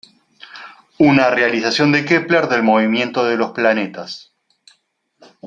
Una realización de Kepler del movimiento de los planetas.